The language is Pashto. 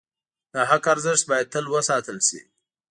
د حق ارزښت باید تل وساتل شي.